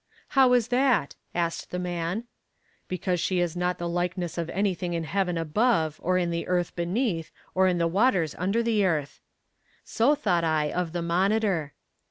"How is that?" asked the man; "Because she is not the likeness of anything in heaven above, or in the earth beneath, or in the waters under the earth." So thought I of the Monitor.